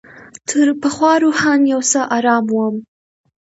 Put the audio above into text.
تر پخوا روحاً یو څه آرام وم.